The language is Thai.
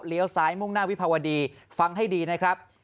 ซ้ายมุ่งหน้าวิภาวดีฟังให้ดีนะครับ